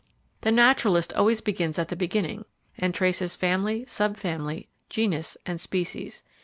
The Naturalist always begins at the beginning and traces family, sub family, genus and species.